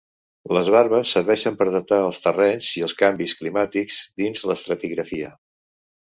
Les varves serveixen per datar els terrenys i els canvis climàtics dins l'estratigrafia.